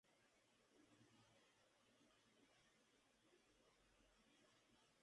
Posee parte de la zona montañosa de El Salvador, gozando de un clima frío.